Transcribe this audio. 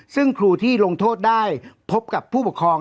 ซึ่งครูที่ลงโทษได้พบกับผู้ปกครอง